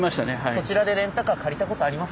そちらでレンタカー借りたことあります